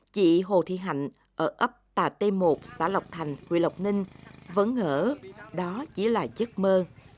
chị hồ thị hạnh ở ấp tà t một xã lộc thành huyện lộc ninh vẫn ngỡ đó chỉ là giấc mơ